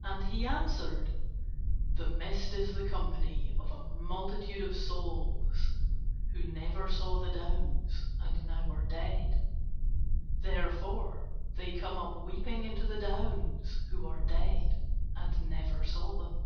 And he answered: "The mist is the company of a multitude of souls who never saw the Downs, and now are dead. Therefore they come up weeping into the Downs, who are dead and never saw them."